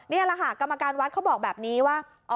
นี่แหละค่ะกรรมการวัดเขาบอกแบบนี้ว่า